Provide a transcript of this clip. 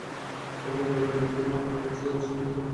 তবে পরিবারের লোকজন মামলা করার চেয়ে স্থানীয় সালিসে বসতে বেশি আগ্রহী।